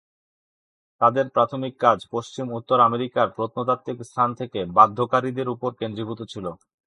তাদের প্রাথমিক কাজ পশ্চিম উত্তর আমেরিকার প্রত্নতাত্ত্বিক স্থান থেকে বাধ্যকারীদের উপর কেন্দ্রীভূত ছিল।